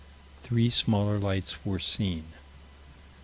Three smaller lights were seen.